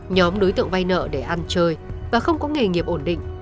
nhóm đối tượng vay nợ để ăn chơi và không có nghề nghiệp ổn định